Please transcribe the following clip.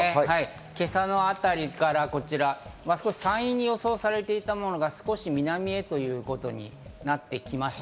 今朝のあたりから山陰に予想されていたものが少し南へということになってきました。